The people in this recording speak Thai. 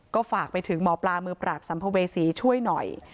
ก็ฝากไปถึงหมอปลามือปราบสัมภเวษีช่วยหน่อย